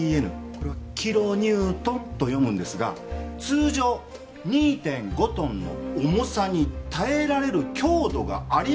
これはキロニュートンと読むんですが通常２．５トンの重さに耐えられる強度がありますよという事です。